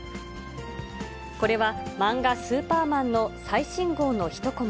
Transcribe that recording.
これは、漫画、スーパーマンの最新号の一コマ。